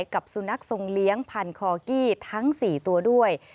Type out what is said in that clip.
กับสุนัขทรงเลี้ยงพันคอกี้ทั้ง๔ตัวด้วย